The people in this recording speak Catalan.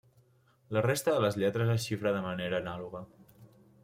La resta de les lletres es xifra de manera anàloga.